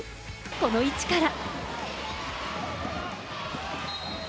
この位置から。